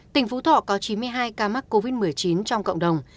tỉnh phú thọ có chín mươi hai ca mắc covid một mươi chín trong cộng đồng